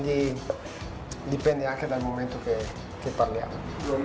jadi tergantung dari saat yang kita berbicara